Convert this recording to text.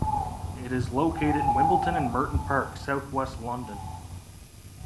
It is located in Wimbledon and Merton Park, South West London.